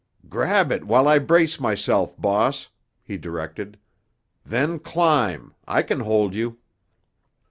"Grab it, while I brace myself, boss," he directed. "Then climb—I can hold you."